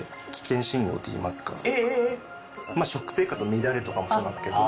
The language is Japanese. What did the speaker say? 食生活の乱れとかもそうなんですけど。